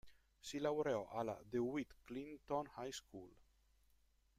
Si laureò alla DeWitt Clinton High School.